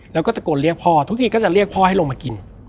แล้วก็ตะโกนเรียกพ่อทุกทีก็จะเรียกพ่อให้ลงมากิน